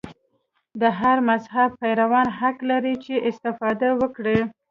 د هر مذهب پیروان حق لري چې استفاده وکړي.